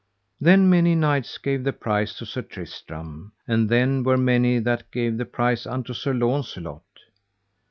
Then many knights gave the prize to Sir Tristram, and there were many that gave the prize unto Sir Launcelot.